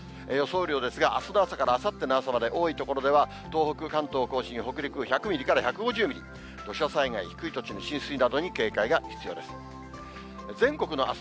雨量ですが、あすの朝からあさっての朝まで多い所では、東北、関東甲信、北陸１００ミリから１５０ミリ、土砂災害、低い土地の浸水などに警戒が必要です。